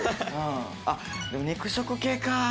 あっでも肉食系か！